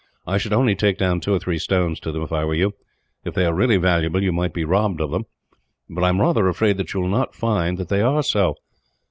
I should only take down two or three stones to them, if I were you. If they are really valuable, you might be robbed of them; but I am rather afraid that you will not find that they are so.